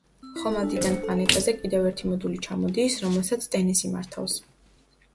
ხომალდიდან პლანეტაზე კიდევ ერთი მოდული ჩამოდის, რომელსაც ტენესი მართავს.